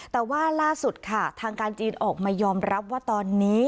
แต่ว่าล่าสุดค่ะทางการจีนออกมายอมรับว่าตอนนี้